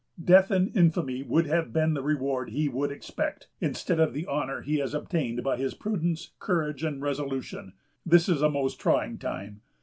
Death and infamy would have been the reward he would expect, instead of the honor he has obtained by his prudence, courage, and resolution.... This is a most trying time....